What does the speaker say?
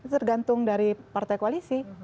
tergantung dari partai koalisi